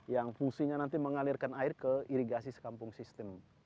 yang fungsinya nanti mengalirkan air ke irigasi sekampung sistem